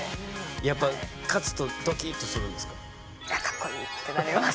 やっぱ勝つとドキッとするんですか？